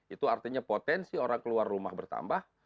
itu artinya potensi orang keluar rumah bertambah